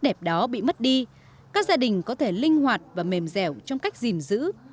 đẹp đó bị mất đi các gia đình có thể linh hoạt và mềm dẻo trong cách gìn giữ